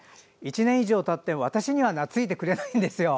１年以上たって、私にはなついてくれないんですよ。